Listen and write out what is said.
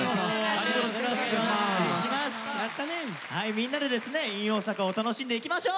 みんなでですね「ｉｎ大阪」を楽しんでいきましょう！